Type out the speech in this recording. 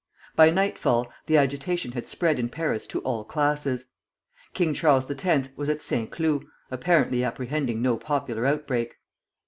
By nightfall the agitation had spread in Paris to all classes. King Charles X. was at Saint Cloud, apparently apprehending no popular outbreak.